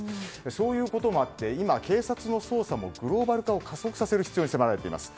そういうこともあって今、警察の捜査もグローバル化を加速させる必要に迫られています。